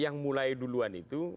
yang mulai duluan itu